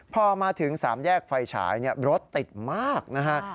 พอมาถึงสามแยกไฟฉายรถติดมากนะครับ